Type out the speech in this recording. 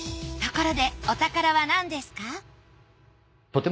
ところでお宝はなんですか？